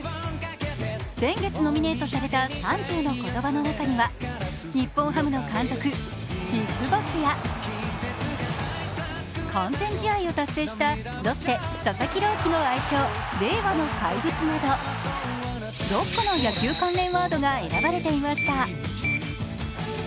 先月ノミネートされた３０の言葉の中には日本ハムの監督、ＢＩＧＢＯＳＳや完全試合を達成したロッテ・佐々木朗希の愛称令和の怪物など、６個の野球関連ワードが選ばれていました。